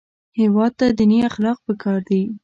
هېواد ته دیني اخلاق پکار دي